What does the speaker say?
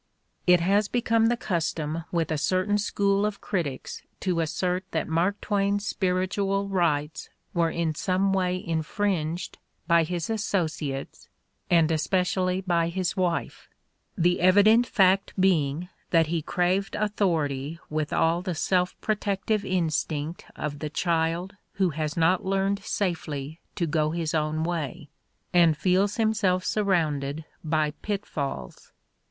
It has become the custom with a certain school of critics to assert that Mark Twain's spiritual rights were in some way in fringed by his associates and especially by his wife, the evident fact being that he craved authority with all the The Candidate for Gentility 103 self protective instinct of the child who has not learned safely to go his own way and feels himself surrounded by pitfalls.